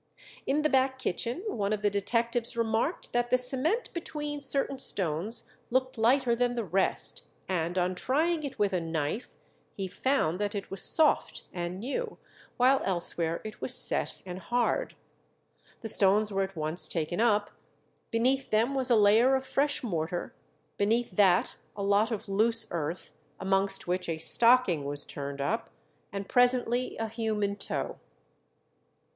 In the back kitchen one of the detectives remarked that the cement between certain stones looked lighter than the rest, and on trying it with a knife, he found that it was soft and new, while elsewhere it was set and hard. The stones were at once taken up; beneath them was a layer of fresh mortar, beneath that a lot of loose earth, amongst which a stocking was turned up, and presently a human toe.